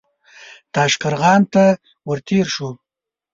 تاشقرغان ته ور تېر شو.